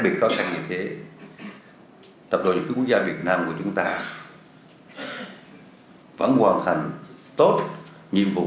biệt khó khăn như thế tập đoàn điện lực quốc gia việt nam của chúng ta vẫn hoàn thành tốt nhiệm vụ